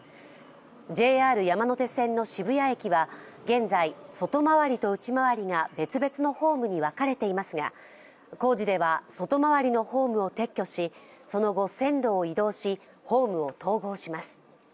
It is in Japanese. ＪＲ山手線の渋谷駅は、現在外回りと内回りが別々のホームに分かれていますが工事では外回りのホームを撤去しその後、線路を移動しホームを統合します。